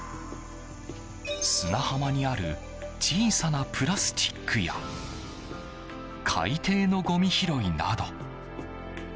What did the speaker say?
砂浜にある小さなプラスチックや海底のごみ拾いなど。